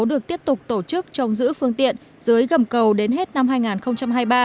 được tiếp tục tổ chức trong giữ phương tiện dưới gầm cầu đến hết năm hai nghìn hai mươi ba